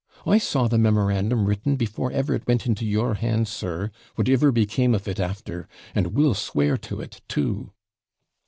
I saw the memorandum written before ever it went into your hands, sir, whatever became of it after; and will swear to it, too.'